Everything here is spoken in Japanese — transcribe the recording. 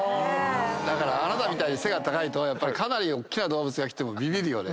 だからあなたみたいに背が高いとかなりおっきな動物が来てもビビるよね。